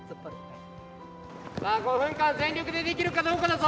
５分間全力でできるかどうかだぞ。